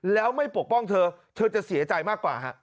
แล้วไม่ปกป้องเธอเธอจะเสียใจมากกว่าฮะ